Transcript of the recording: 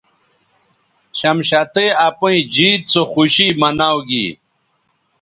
شمشتئ اپئیں جیت سو خوشی مناؤ گی